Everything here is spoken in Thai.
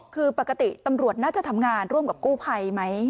คือปกติตำรวจน่าจะทำงานร่วมกับกู้ภัยไหม